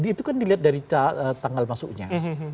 itu kan dilihat dari tanggal masuknya